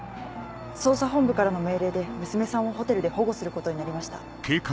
捜査本部からの命令で娘さんをホテルで保護することになりました。